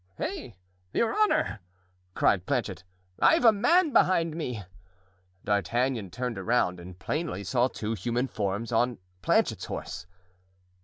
"Hey! your honor!" cried Planchet, "I've a man behind me." D'Artagnan turned around and plainly saw two human forms on Planchet's horse.